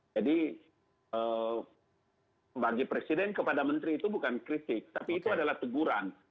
jadi bagi presiden kepada menteri itu bukan kritik tapi itu adalah teguran